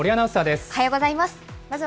おはようございます。